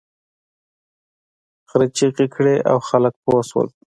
خر چیغې کړې او خلک پوه شول.